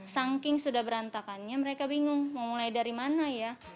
saking sudah berantakannya mereka bingung mau mulai dari mana ya